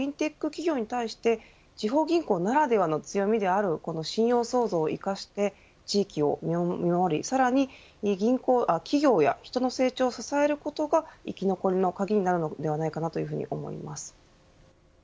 企業などに対して地方銀行ならではの強みである信用創造を生かして地域を見守り、さらに企業や人の成長を支えることが生き残りの鍵になると思います。